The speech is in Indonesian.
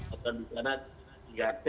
atau di sana tiga t itu ya